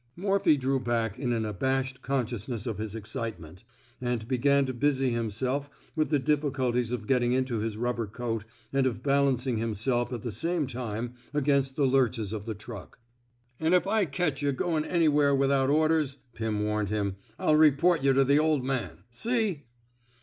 Morphy drew back in an abashed con sciousness of his excitement, and began to busy himself with the difficulties of getting into his rubber coat and of balancing him self at the same time against the lurches of the truck. An' if I ketch yuh goin' anywhere with out orders," Pim warned him, I'll report yuh to the ol' man. See?